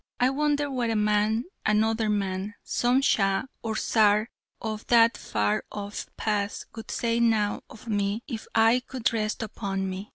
I wonder what a man another man some Shah, or Tsar, of that far off past, would say now of me, if eye could rest upon me!